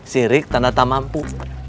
sirik tanda tak mampu